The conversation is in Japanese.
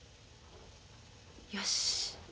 よし。